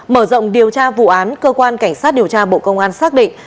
mở rộng điều tra vụ án cơ quan cảnh sát điều tra bộ công an xác định